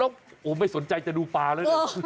โหไม่สนใจจะดูปลาเลย